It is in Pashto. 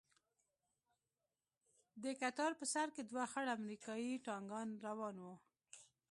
د کتار په سر کښې دوه خړ امريکايي ټانگان روان وو.